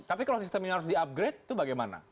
tapi kalau sistem ini harus di upgrade itu bagaimana